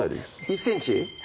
１ｃｍ？